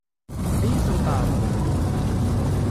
Ad iyi-ten-teɛṛeḍ?